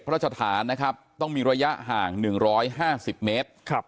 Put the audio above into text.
พระราชฐานนะครับต้องมีระยะห่าง๑๕๐เมตร